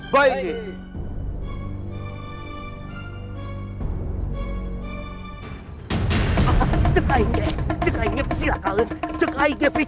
berhubung setelah mungkin terrorists